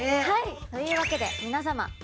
はいというわけでみなさま